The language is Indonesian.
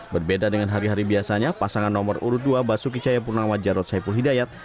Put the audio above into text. berbeda dengan hari hari biasanya pasangan nomor urut dua basuki cahayapurnama jarod saiful hidayat